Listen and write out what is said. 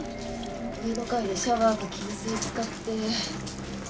上の階でシャワーか給水使って。